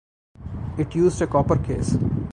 It used a copper case.